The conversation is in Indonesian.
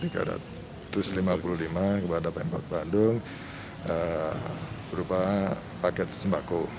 kepada pemkot bandung berupa paket sembako